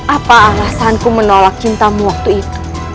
apa alasanku menolak cintamu waktu itu